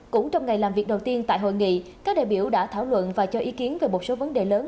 cũng trong ngày làm việc đầu tiên tại hội nghị các đại biểu đã thảo luận và cho ý kiến về một số vấn đề lớn